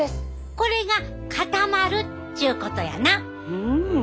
これが固まるっちゅうことやな。